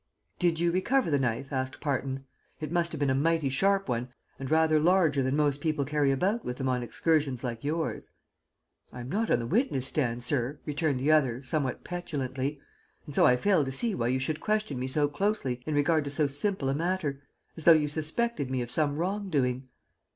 "Did you recover the knife?" asked Parton. "It must have been a mighty sharp one, and rather larger than most people carry about with them on excursions like yours." "I am not on the witness stand, sir," returned the other, somewhat petulantly, "and so I fail to see why you should question me so closely in regard to so simple a matter as though you suspected me of some wrongdoing."